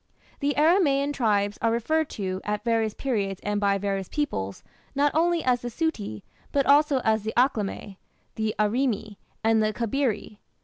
The Aramaean tribes are referred to, at various periods and by various peoples, not only as the "Suti", but also as the "Achlame", the "Arimi", and the "Khabiri".